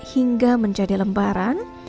hingga menjadi lembaran